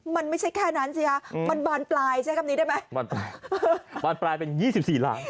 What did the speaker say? มันไม่ใช่แค่นั้นสิฮะมันบานปลายใช่ครับนี้ได้ไหมบานปลายบานปลายเป็นยี่สิบสี่ล้าน